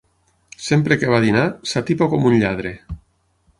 Sempre que va a dinar, s'atipa com un lladre.